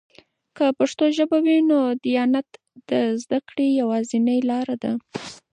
که پښتو ژبه وي، نو دیانت د زده کړې یوازینۍ لاره ده.